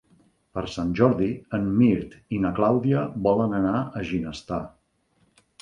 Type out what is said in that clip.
Per Sant Jordi en Mirt i na Clàudia volen anar a Ginestar.